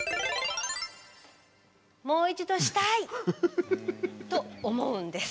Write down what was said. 「もう一度したい！」と思うんです。